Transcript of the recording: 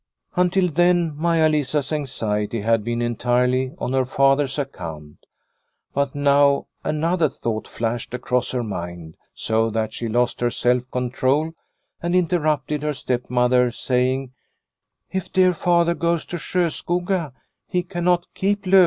Until then Maia Lisa's anxiety had been entirely on her father's account, but now another thought flashed across her mind so that she lost her self control and interrupted her stepmother saying, " If dear father goes to Sjoskoga he cannot keep Lovdala."